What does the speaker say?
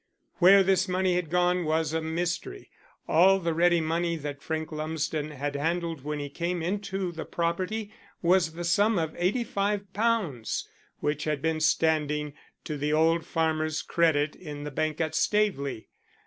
Where this money had gone was a mystery. All the ready money that Frank Lumsden had handled when he came into the property was the sum of eighty five pounds, which had been standing to the old farmer's credit in the bank at Staveley.